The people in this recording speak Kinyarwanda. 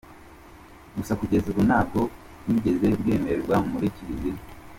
Gusa kugeza ubu, ntabwo bwigeze bwemerwa muri Kiliziya.